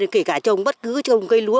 kể cả trồng bất cứ trồng cây lúa